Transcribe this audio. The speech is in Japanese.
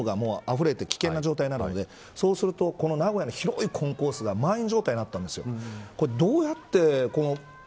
改札の中に入れるとホームがあふれて危険な状態なのでそうすると名古屋の広いコンコースが満員状態になったんですよ。